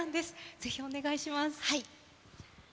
ぜひお願いします。